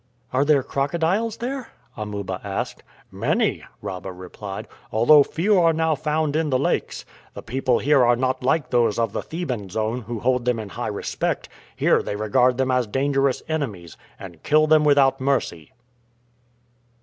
"Are there crocodiles there?" Amuba asked. "Many," Rabah replied, "although few are now found in the lakes. The people here are not like those of the Theban zone, who hold them in high respect here they regard them as dangerous enemies, and kill them without mercy."